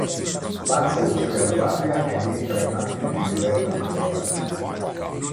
Pazzo uccide la guardia ed entra in macchina con il resto della squadra.